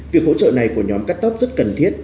việc hỗ trợ này của nhóm cắt tóp rất cần thiết